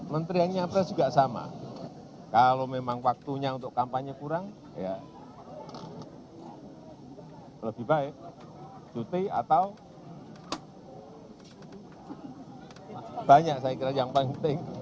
menteri yang nyapres juga sama kalau memang waktunya untuk kampanye kurang ya lebih baik cuti atau banyak saya kira yang penting